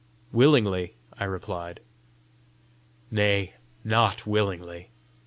"Willingly," I replied. "Nay, NOT willingly!"